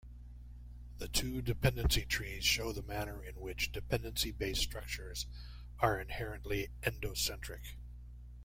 The two dependency trees show the manner in which dependency-based structures are inherently endocentric.